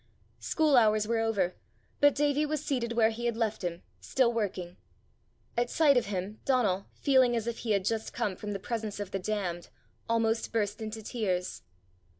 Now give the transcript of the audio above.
School hours were over, but Davie was seated where he had left him, still working. At sight of him Donal, feeling as if he had just come from the presence of the damned, almost burst into tears.